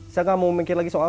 saya nggak mau mikir lagi soal